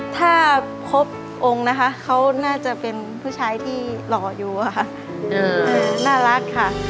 ถ้าพบองค์นะคะเขาน่าจะเป็นผู้ชายที่หล่ออยู่ค่ะน่ารักค่ะ